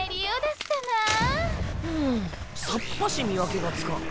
うんさっぱし見分けがつかん。